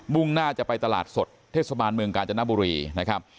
่งหน้าจะไปตลาดสดเทศบาลเมืองกาญจนบุรีนะครับ